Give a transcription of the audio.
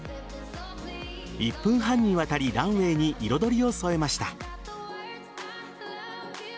１分半にわたりランウェイに彩りを添えました。